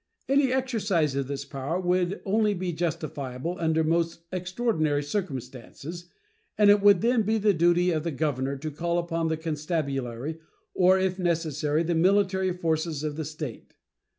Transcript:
Any exercise of this power would only be justifiable under most extraordinary circumstances, and it would then be the duty of the governor to call upon the constabulary or, if necessary, the military force of the State.